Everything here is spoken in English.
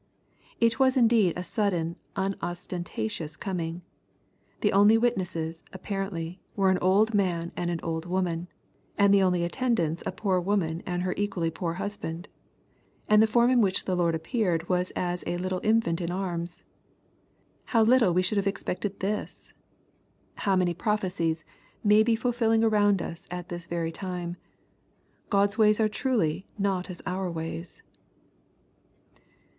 It was indeed a sudden unostentatious coming. The only witnesses, apparently, were an old man and an old woman, — and the only attendants a poor woman and her equally poor husband,— and the form in which the Lord appeared was as a little infant in arms 1 How little we should have expected this I How many prophecies may be fulfil ling around us at this very time I Gbd s ways are truly not as our ways.